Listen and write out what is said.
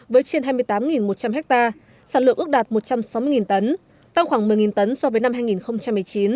với trên hai mươi tám một trăm linh hectare sản lượng ước đạt một trăm sáu mươi tấn tăng khoảng một mươi tấn so với năm hai nghìn một mươi chín